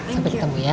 sampai ketemu ya